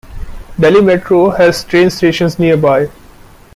Delhi Metro has train stations nearby.